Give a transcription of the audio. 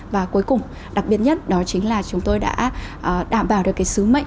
và cuối cùng đặc biệt nhất đó chính là chúng tôi đã đảm bảo được cái sứ mệnh